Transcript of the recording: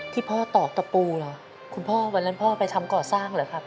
พ่อตอกตะปูเหรอคุณพ่อวันนั้นพ่อไปทำก่อสร้างเหรอครับ